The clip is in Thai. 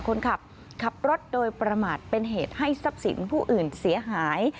ขับรถโดยประมาทเป็นเหตุให้ทรัพย์สินผู้อื่นเสียหาย